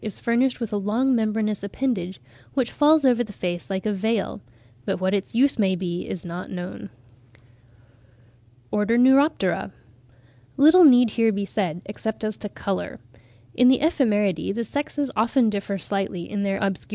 is furnished with "a long membranous appendage, which falls over the face like a veil;" but what its use may be, is not known. ORDER, NEUROPTERA. Little need here be said, except as to colour. In the Ephemeridae the sexes often differ slightly in their obscure tints (49.